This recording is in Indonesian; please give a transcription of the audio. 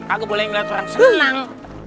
aku boleh ngeliat orang senang